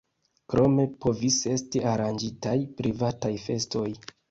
Krome povis esti aranĝitaj privataj festoj.